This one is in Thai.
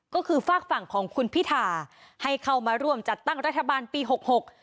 ก็คือฝากฝั่งของคุณพิธาให้เข้ามาร่วมจัดตั้งรัฐบาลปีหกหก